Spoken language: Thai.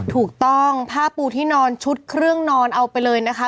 ถูกต้องผ้าปูที่นอนชุดเครื่องนอนเอาไปเลยนะคะ